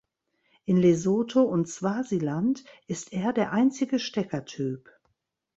In Lesotho und Swasiland ist er der einzige Steckertyp.